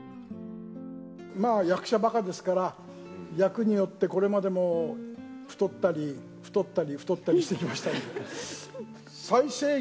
役者ばかですから、役によってこれまでも太ったり、太ったり、太ったりしてきました。